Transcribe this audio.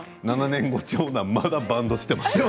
７年後、長男まだバンドしていましたよ？